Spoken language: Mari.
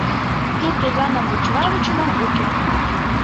Сурт озанам вучена-вучена — уке.